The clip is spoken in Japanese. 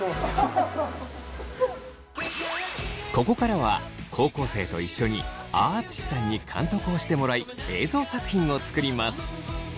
ここからは高校生と一緒にあああつしさんに監督をしてもらい映像作品を作ります。